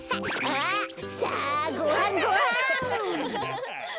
あっさあごはんごはん！